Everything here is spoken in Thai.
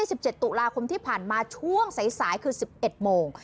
ศุกราคมที่ผ่านมาช่วงสายคือ๑๑โมง